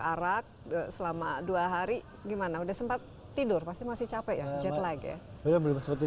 arak selama dua hari gimana udah sempat tidur pasti masih capek ya jetlag ya belum seperti